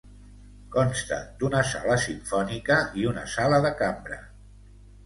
Consta d'una sala simfònica, i una sala de cambra.